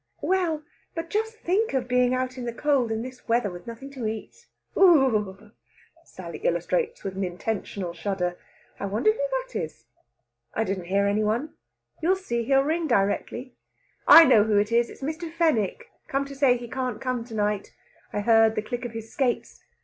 "Well, but just think of being out in the cold in this weather, with nothing to eat! Oo oo oogh!" Sally illustrates, with an intentional shudder. "I wonder who that is!" "I didn't hear any one." "You'll see, he'll ring directly. I know who it is; it's Mr. Fenwick come to say he can't come to night. I heard the click of his skates.